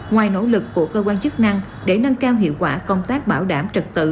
ngoài nỗ lực của cơ quan chức năng để nâng cao hiệu quả công tác bảo đảm trật tự